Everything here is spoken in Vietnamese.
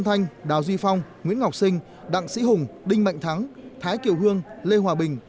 thanh đào duy phong nguyễn ngọc sinh đặng sĩ hùng đinh mạnh thắng thái kiều hương lê hòa bình